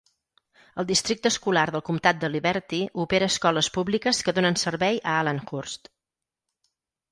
El districte escolar del comtat de Liberty opera escoles públiques que donen servei a Allenhurst.